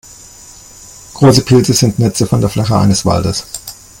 Große Pilze sind Netze von der Fläche eines Waldes.